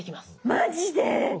マジで！